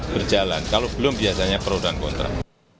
berjalan kalau belum biasanya perudahan kontrak